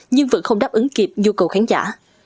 nhưng vẫn không đáp ứng kịp nhu cầu khán giả